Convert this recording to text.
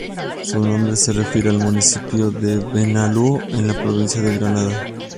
Su nombre se refiere al municipio de Benalúa, en la provincia de Granada.